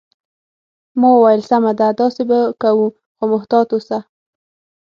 ما وویل: سمه ده، داسې به کوو، خو محتاط اوسه.